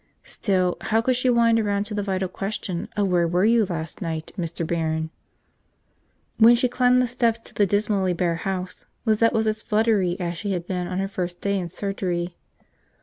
Still, how could she wind around to the vital question of where were you last night, Mr. Barron? When she climbed the steps to the dismally bare house, Lizette was as fluttery as she had been on her first day in surgery.